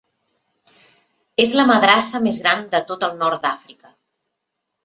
És la madrassa més gran de tot el nord d'Àfrica.